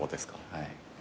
はい。